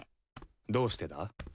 どうしてだ？